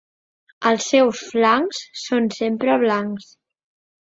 Els seus flancs són sempre blancs.